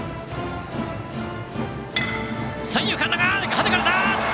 はじかれた！